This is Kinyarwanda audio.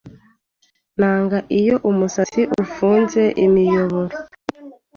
Nanga iyo umusatsi ufunze imiyoboro.